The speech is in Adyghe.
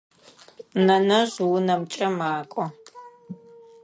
Нэнэжъ унэмкӏэ макӏо.